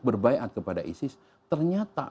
berbaikat kepada isis ternyata